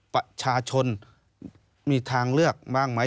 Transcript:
ประชาชนมีทางเลือกบ้างไหม